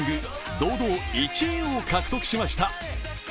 堂々１位を獲得しました。